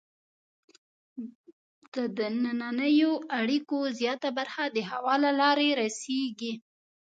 د دنننیو اړیکو زیاته برخه د هوا له لارې رسیږي.